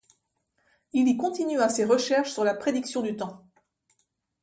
Il y continua ses recherches sur la prédiction du temps.